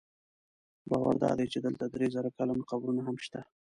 باور دا دی چې دلته درې زره کلن قبرونه هم شته.